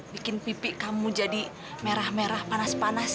bikin pipi kamu jadi merah merah panas panas